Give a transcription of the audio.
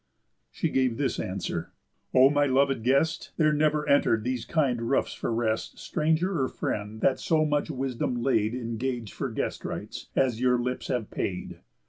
She gave this answer: "O my lovéd guest, There never enter'd these kind roofs for rest Stranger or friend that so much wisdom laid In gage for guest rites, as your lips have paid.